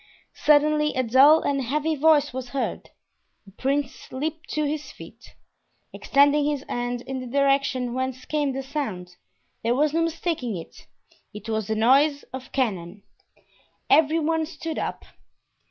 Suddenly a dull and heavy noise was heard. The prince leaped to his feet, extending his hand in the direction whence came the sound, there was no mistaking it—it was the noise of cannon. Every one stood up.